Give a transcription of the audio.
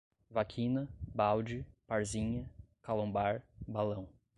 vaquina, balde, parzinha, calombar, balão